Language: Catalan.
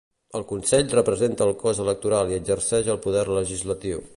El Consell representa el cos electoral i exerceix el poder legislatiu.